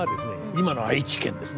今の愛知県ですね